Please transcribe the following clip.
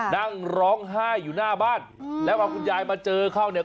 นั่งร้องไห้อยู่หน้าบ้านแล้วพอคุณยายมาเจอเข้าเนี่ย